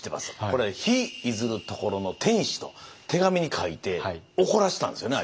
これは「日出ずる処の天子」と手紙に書いて怒らせたんですよね